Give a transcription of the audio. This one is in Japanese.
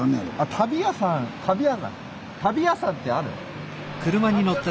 足袋屋さんってある？